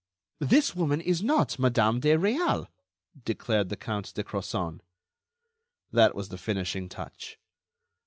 "This woman is not Madame de Réal," declared the Count de Crozon. That was the finishing touch.